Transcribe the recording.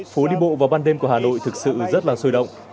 phố đi bộ vào ban đêm của hà nội thực sự rất là sôi động